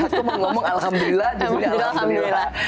aku mau ngomong alhamdulillah judulnya alhamdulillah